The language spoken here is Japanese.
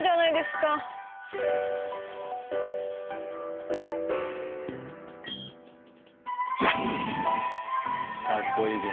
かっこいいゲン。